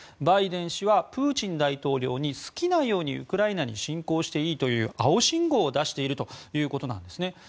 バイデン氏はプーチン大統領に好きなようにウクライナに侵攻していいという青信号を出しているということなんですね。